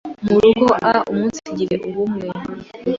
m urya n g o” a) Umunsigira ubumwe,